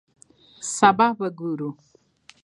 سبا به ګورو